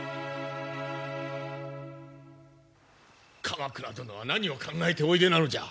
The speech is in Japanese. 鎌倉殿は何を考えておいでなのじゃ。